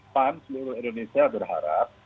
pan seluruh indonesia berharap